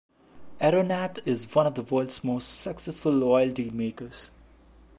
Eronat is one of the world's most successful oil dealmakers.